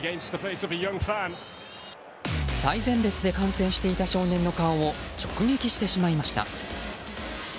最前列で観戦していた少年の顔を直撃してしまいました。